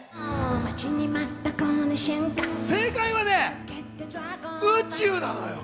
正解はね、宇宙なのよ！